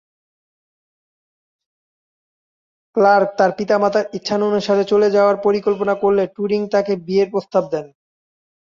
Clerk তার পিতামাতার ইচ্ছানুসারে চলে যাওয়ার পরিকল্পনা করলে টুরিং তাকে বিয়ের প্রস্তাব দেন।